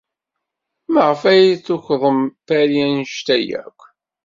Maɣef ay tukḍem Paris anect-a akk?